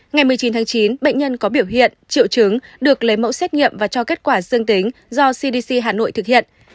ngày một mươi chín tháng chín bệnh nhân có biểu hiện triệu chứng được lấy mẫu xét nghiệm và cho kết quả dương tính do cdc hà nội thực hiện